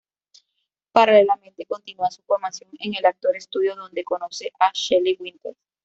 Paralelamente, continua su formación en el Actor's Studio, donde conoce a Shelley Winters.